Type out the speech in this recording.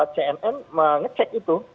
cnn mengecek itu